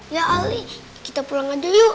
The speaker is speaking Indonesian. ya ali kita pulang aja yuk